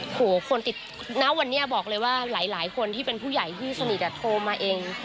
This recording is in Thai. โหคนติดณวันนี้บอกเลยว่าหลายคนที่เป็นผู้ใหญ่ที่สนิทโทรมาเอง